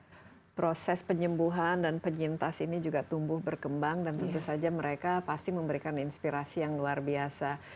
jadi kemungkinan untuk mereka untuk berjinta sini juga tumbuh berkembang dan tentu saja mereka pasti memberikan inspirasi yang luar biasa